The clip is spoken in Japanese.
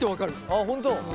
ああ本当。